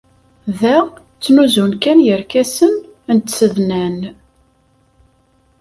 Da ttnuzun kan yerkasen n tsednan.